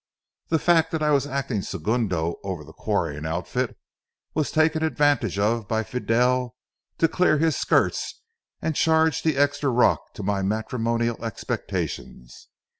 The fact that I was acting segundo over the quarrying outfit, was taken advantage of by Fidel to clear his skirts and charge the extra rock to my matrimonial expectations.